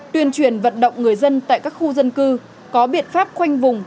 tuyên truyền vận động người dân tại các khu dân cư có biện pháp khoanh vùng